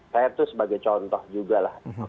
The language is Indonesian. saya tuh sebagai contoh juga lah